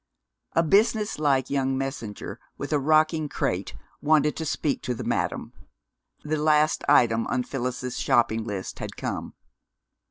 A business like young messenger with a rocking crate wanted to speak to the madam. The last item on Phyllis's shopping list had come.